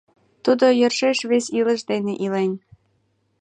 Тудо йӧршеш вес илыш дене илен.